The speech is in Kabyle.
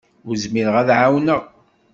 Ur zmireɣ ad t-ɛawneɣ.